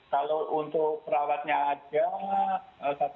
kalau untuk perawat mimpi